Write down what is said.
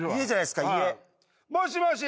もしもし。